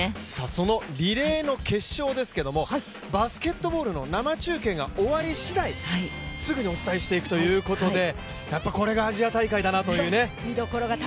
そのリレーの決勝ですがバスケットボールの生中継が終わりしだいすぐにお伝えしていくというころでこれがやっぱりアジア大会だなというね。